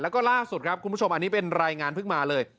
แล้วก็ล่าสุดครับคุณผู้ชมอันนี้เป็นรายงานเพิ่งมาเลย